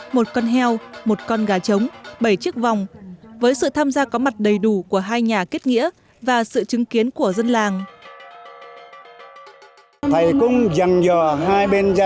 một con heo một con gà trống bảy chiếc vòng với sự tham gia có mặt đầy đủ của hai nhà kết nghĩa và sự chứng kiến của dân làng